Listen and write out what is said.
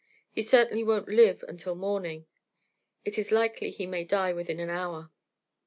He certainly won't live till morning. It is likely he may die within an hour."